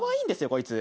こいつ。